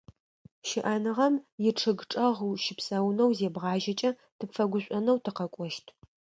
Щыӏэныгъэм ичъыг чӏэгъ ущыпсэунэу зебгъажьэкӏэ тыпфэгушӏонэу тыкъэкӏощт.